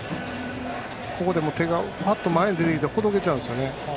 手がぱっと前に出てきてほどけちゃうんですよね。